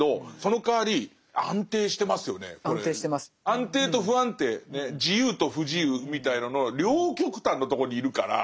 安定と不安定自由と不自由みたいのの両極端のとこにいるから。